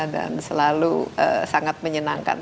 dan selalu sangat menyenangkan